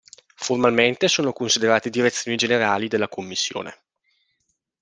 Formalmente sono considerate Direzioni Generali della Commissione.